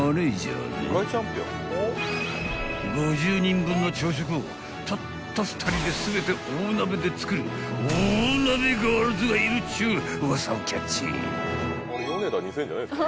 ［５０人分の朝食をたった２人で全て大鍋で作る大鍋ガールズがいるっちゅうウワサをキャッチ］